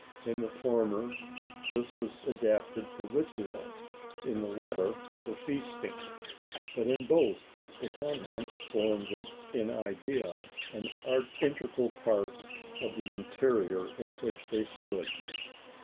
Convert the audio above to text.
In the former this was adapted for ritual, in the latter for feasting; but in both the contents formed in idea an integral part of the interior in which they stood.